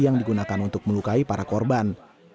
yang digunakan untuk melukai para korban